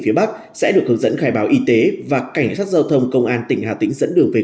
phía bắc sẽ được hướng dẫn khai báo y tế và cảnh sát giao thông công an tỉnh hà tĩnh dẫn đường về